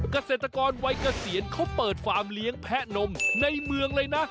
เกษตรกรวัยเกษียณเขาเปิดฟาร์มเลี้ยงแพะนมในเมืองเลยนะ